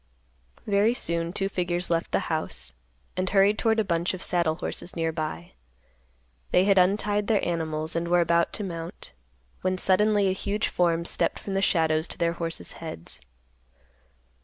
Very soon two figures left the house, and hurried toward a bunch of saddle horses near by. They had untied their animals, and were about to mount, when suddenly a huge form stepped from the shadows to their horses' heads.